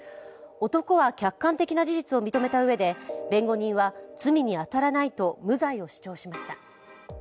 男は客観的な事実を認めたうえで弁護人は、罪に当たらないと無罪を主張しました。